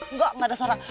nggak nggak ada suara